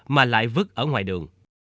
mà lại vứt ở ngoài đường